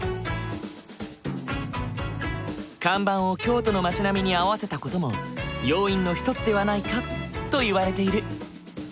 看板を京都の町並みに合わせた事も要因の一つではないかといわれている。